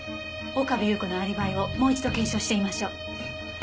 岡部祐子のアリバイをもう一度検証してみましょう。